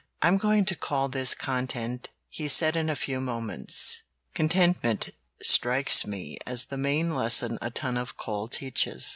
"I'm going to call this 'Content,'" he said in a few moments. "Contentment strikes me as the main lesson a ton of coal teaches."